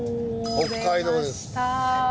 北海道です。